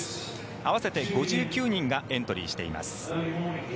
合わせて５９人がエントリーしています。